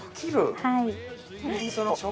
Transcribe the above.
はい。